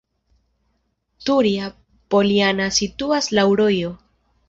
Turja-Poljana situas laŭ rojo.